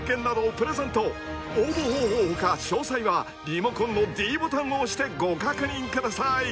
［応募方法他詳細はリモコンのｄボタンを押してご確認ください］